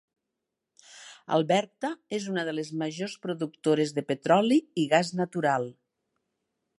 Alberta és una de les majors productores de petroli i gas natural.